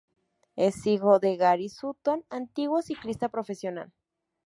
Es hijo de Gary Sutton, antiguo ciclista profesional.